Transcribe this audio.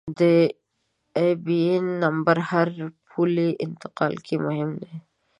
د آیبياېن نمبر هر پولي انتقال کې مهم دی.